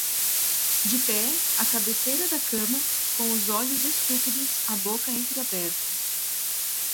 De pé, à cabeceira da cama, com os olhos estúpidos, a boca entreaberta